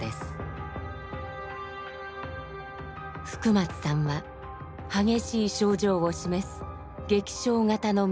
福松さんは激しい症状を示す劇症型の水俣病。